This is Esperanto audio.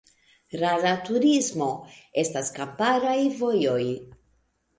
Rura turismo: estas kamparaj vojoj.